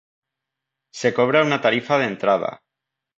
Se cobra una tarifa de entrada.